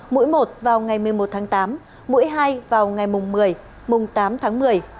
mũi một vào ngày một mươi một tháng tám mũi hai vào ngày mùng một mươi mùng tám tháng một mươi